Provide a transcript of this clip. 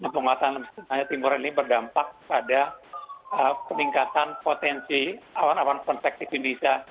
penguasaan angin pasat timur ini berdampak pada peningkatan potensi awan awan konseksi indonesia